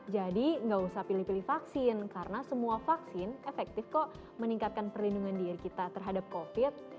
jadi nggak usah pilih pilih vaksin karena semua vaksin efektif kok meningkatkan perlindungan diri kita terhadap covid